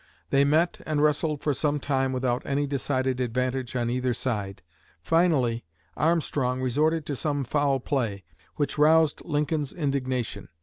They met and wrestled for some time without any decided advantage on either side. Finally Armstrong resorted to some foul play, which roused Lincoln's indignation.